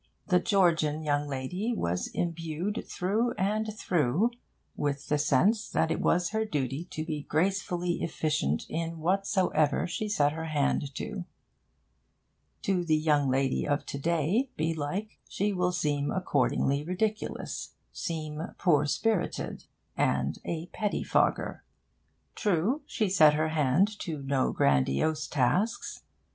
The Georgian young lady was imbued through and through with the sense that it was her duty to be gracefully efficient in whatsoever she set her hand to. To the young lady of to day, belike, she will seem accordingly ridiculous seem poor spirited, and a pettifogger. True, she set her hand to no grandiose tasks.